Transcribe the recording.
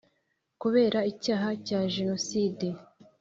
kubera icyaha cya jenoside